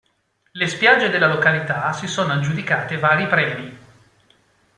Le spiagge della località si sono aggiudicate vari premi.